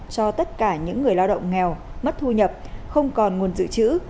cho tất cả những người lao động nghèo mất thu nhập không còn nguồn dự trữ